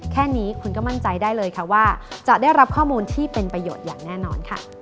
แค่นี้คุณก็มั่นใจได้เลยค่ะว่าจะได้รับข้อมูลที่เป็นประโยชน์อย่างแน่นอนค่ะ